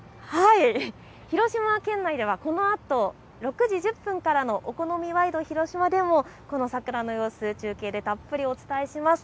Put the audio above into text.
広島県内では、このあと６時１０分からのお好みワイドひろしまでも、この桜の様子、中継でたっぷりお伝えします。